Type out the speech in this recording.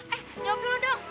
eh jawab dulu dong